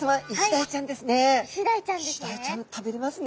イシダイちゃんですね。